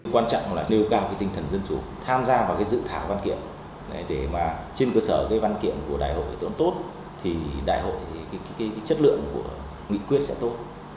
quan trọng là nêu cao tinh thần dân chủ tham gia vào dự thảo văn kiện để trên cơ sở văn kiện của đại hội tốt đại hội chất lượng của nghị quyết sẽ tốt